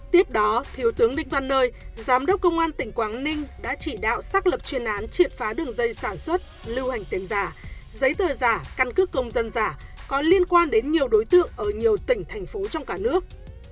tiếp đó thiếu tướng đinh văn nơi giám đốc công an tỉnh quảng ninh đã chỉ đạo xác lập chuyên án triệt phá đường dây sản xuất lưu hành tiền giả giấy tờ giả căn cước công dân giả có liên quan đến nhiều đối tượng ở nhiều tỉnh thành phố trong cả nước